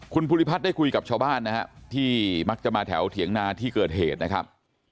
คุณภูริพัฒน์ได้คุยกับชาวบ้านนะครับที่มักจะมาแถวเถียงนาที่เกิดเหตุนะครับ